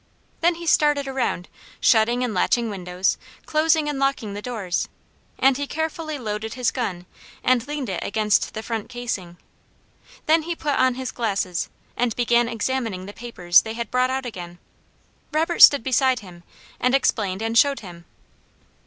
Then he started around shutting and latching windows, closing and locking the doors, and he carefully loaded his gun, and leaned it against the front casing. Then he put on his glasses, and began examining the papers they had brought out again. Robert stood beside him, and explained and showed him.